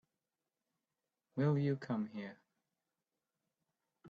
Will you come here?